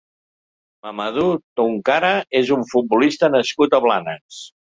Mamadou Tounkara és un futbolista nascut a Blanes.